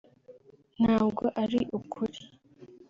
…ntabwo ari ukuri